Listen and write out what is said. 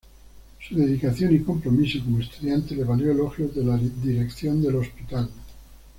Su dedicación y compromiso como estudiante le valió elogios de la dirección del Hospital.